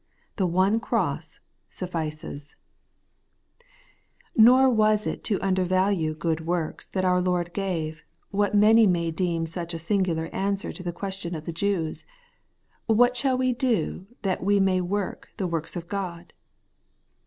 The one cross suffices. Tlie Holy Life of the Justified, 177 Nor was it to undervalue good works tliat our Lord gave, what many may deem such a singular answer to the question of the Jews, ' What shall we do, that we may work the works of God